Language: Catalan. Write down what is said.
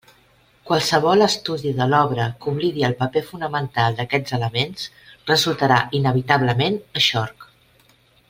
Qualsevol estudi de l'obra que oblidi el paper fonamental d'aquests elements resultarà inevitablement eixorc.